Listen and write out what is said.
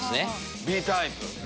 Ｂタイプ！